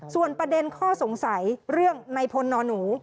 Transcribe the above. ส่วนประเด็นข้อสงสัยเรื่องในพลนอนหนู